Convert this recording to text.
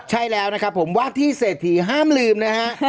ใช่แล้วนะครับผมว่าที่เศรษฐีห้ามลืมนะฮะ